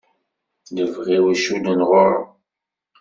Lebɣi-w icudden ɣur-m.